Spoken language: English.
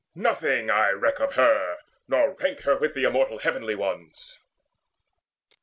Nothing I reck of her, Nor rank her with the immortal Heavenly Ones."